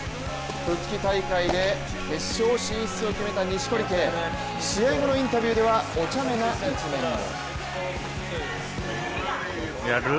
復帰大会で決勝進出を決めた錦織圭、試合後のインタビューではおちゃめな一面も。